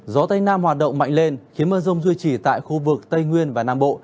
gió tây nam hoạt động mạnh lên khiến mưa rông duy trì tại khu vực tây nguyên và nam bộ